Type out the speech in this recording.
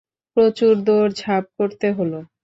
প্রচুর দৌড়ঝাঁপ করতে হলো।